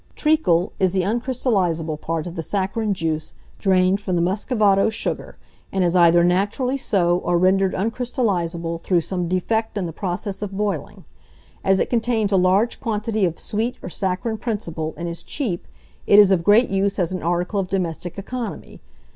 Treacle is the uncrystallizable part of the saccharine juice drained from the Muscovado sugar, and is either naturally so or rendered uncrystallizable through some defect in the process of boiling. As it contains a large quantity of sweet or saccharine principle and is cheap, it is of great use as an article of domestic economy.